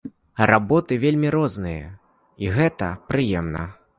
Работы вельмі розныя, і гэта прыемна.